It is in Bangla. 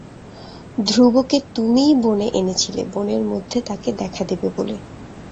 ধ্রুবকে তুমিই বনে এনেছিলে, বনের মধ্যে তাকে দেখা দেবে বলে।